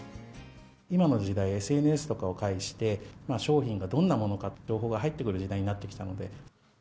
今の時代、ＳＮＳとかを介して、商品がどんなものか、情報が入ってくる時代になってきたので。